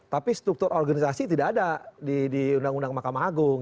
tapi struktur organisasi tidak ada di undang undang mahkamah agung